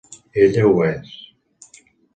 Ella ho és.